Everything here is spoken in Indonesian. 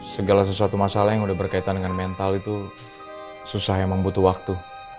segala sesuatu masalah yang udah berkaitan dengan mental itu susah memang butuh waktu